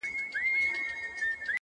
ماته به بله موضوع پاته نه وي.